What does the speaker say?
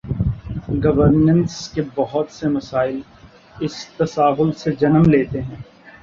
Governance کے بہت سے مسائل اس تساہل سے جنم لیتے ہیں۔